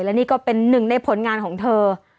และนี่ก็เป็นหนึ่งในผลงานของเธอ